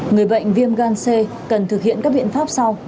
người bệnh viêm gan c cần thực hiện các biện pháp sau